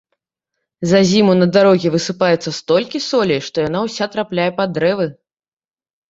За зіму на дарогі высыпаецца столькі солі, што яна ўся трапляе пад дрэвы.